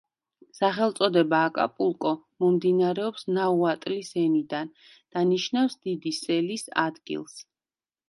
სახელწოდება „აკაპულკო“ მომდინარეობს ნაუატლის ენიდან და ნიშნავს „დიდი სელის ადგილს“.